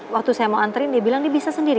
waktu saya mau antrin dia bilang dia bisa sendiri